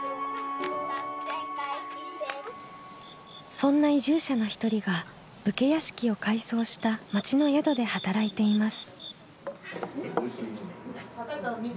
そんな移住者の一人が武家屋敷を改装した町の宿で働いています。